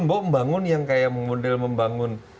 mbok membangun yang kayak model membangun